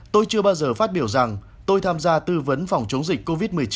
tôi chưa bao giờ phát biểu rằng tôi tham gia tư vấn phòng chống dịch covid một mươi chín